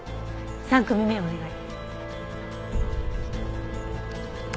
３組目お願い。